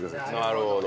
なるほど。